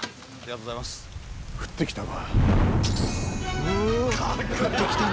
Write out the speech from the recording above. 降ってきたか。